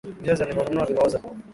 Viazi alivyonunua vimeoza